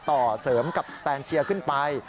ต่อเสริมกับสแตนเชียร์ขึ้นไป